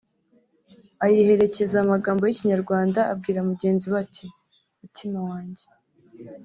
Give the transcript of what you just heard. ayiherekeza amagambo y’Ikinyarwanda abwira mugenzi we ati “Mutima wanjye